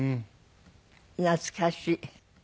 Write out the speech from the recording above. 懐かしい。